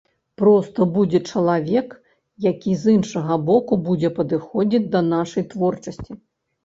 Проста будзе чалавек, які з іншага боку будзе падыходзіць да нашай творчасці.